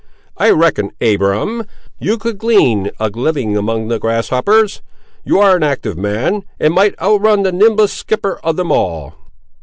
I reckon, Abiram, you could glean a living among the grasshoppers: you ar' an active man, and might outrun the nimblest skipper of them all."